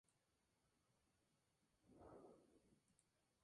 El primer Clásico fue ganado por un impresionante de tres años llamado Best Pal.